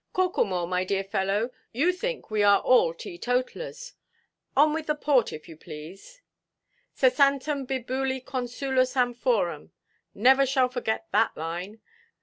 "Corklemore, my dear fellow, you think we are all tee–totallers. On with the port, if you please, 'cessantem Bibuli Consulis amphoram,' never shall forget that line.